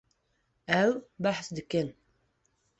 Ew behs dikin.